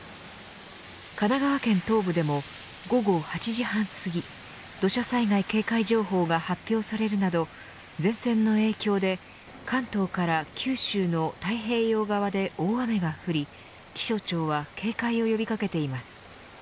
神奈川県東部でも午後８時半すぎ土砂災害警戒情報が発表されるなど前線の影響で関東から九州の太平洋側で大雨が降り気象庁は警戒を呼び掛けています。